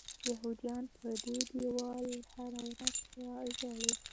یهودیان پر دې دیوال هره ورځ ژاړي.